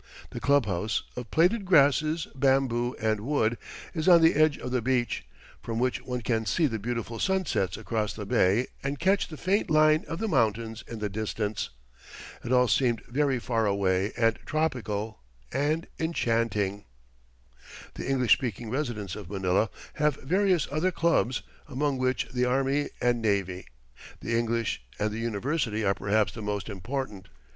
The clubhouse, of plaited grasses, bamboo and wood, is on the edge of the beach, from which one can see the beautiful sunsets across the bay and catch the faint line of the mountains in the distance. It all seemed very far away and tropical and enchanting. The English speaking residents of Manila have various other clubs, among which the Army and Navy, the English, and the University are perhaps the most important.